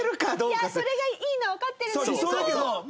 それがいいのはわかってるんだけど。